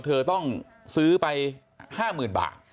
เธอต้องซื้อไป๕๐๐๐บาท